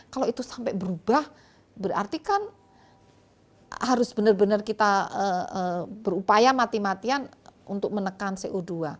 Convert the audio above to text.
kalau itu sampai berubah berarti kan harus benar benar kita berupaya mati matian untuk menekan co dua